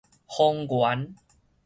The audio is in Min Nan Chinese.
豐原